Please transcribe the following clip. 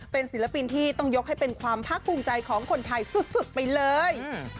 เป็นศิลปินที่ต้องยกให้เป็นความภาคภูมิใจของคนไทยสุดไปเลย